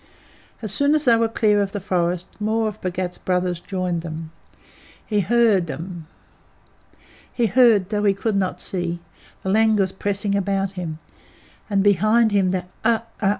As soon as they were clear of the forest more of the Bhagat's brothers joined them. He heard, though he could not see, the langurs pressing about him, and behind them the uhh!